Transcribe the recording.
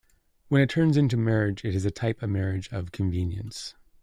When it turns into marriage it is a type of marriage of convenience.